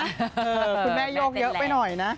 คุณแม่โยกเยอะไปหน่อยนะ